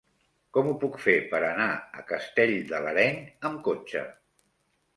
Com ho puc fer per anar a Castell de l'Areny amb cotxe?